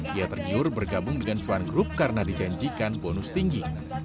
ia tergiur bergabung dengan cuan grup karena dijanjikan bonus tinggi